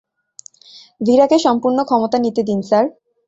ভীরাকে সম্পূর্ণ ক্ষমতা নিতে দিন স্যার।